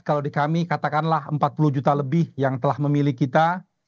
kalau di kami katakanlah empat puluh juta lebih yang telah memilih kita